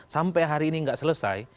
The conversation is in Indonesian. sampai hari ini nggak selesai